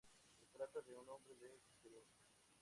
Se trata de un hombre de experiencia.